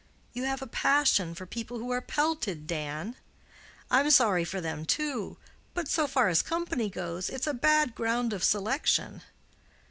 You have a passion for people who are pelted, Dan. I'm sorry for them too; but so far as company goes, it's a bad ground of selection.